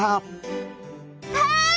はい！